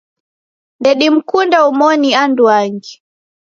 Ndedimkunde omoni anduangi.